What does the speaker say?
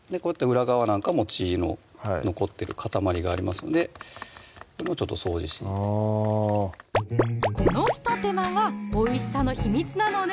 裏側なんかも血の残ってる塊がありますのでこれもちょっと掃除していってあこのひと手間がおいしさの秘密なのね